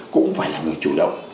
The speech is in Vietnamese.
cũng phải là người chủ động